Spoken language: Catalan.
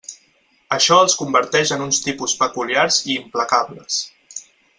Això els converteix en uns tipus peculiars i implacables.